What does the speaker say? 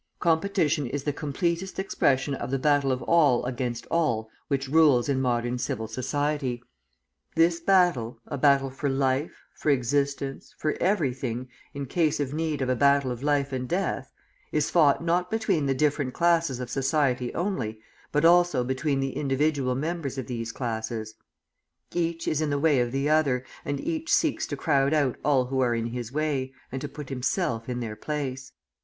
Competition is the completest expression of the battle of all against all which rules in modern civil society. This battle, a battle for life, for existence, for everything, in case of need a battle of life and death, is fought not between the different classes of society only, but also between the individual members of these classes. Each is in the way of the other, and each seeks to crowd out all who are in his way, and to put himself in their place.